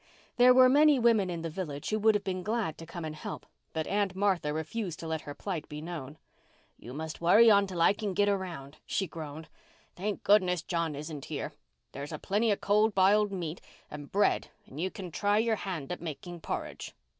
There were many women in the village who would have been glad to come and help, but Aunt Martha refused to let her plight be known. "You must worry on till I kin git around," she groaned. "Thank goodness, John isn't here. There's a plenty o' cold biled meat and bread and you kin try your hand at making porridge."